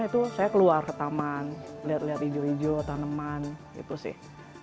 itu saya keluar ke taman lihat lihat hijau hijau tanaman itu sih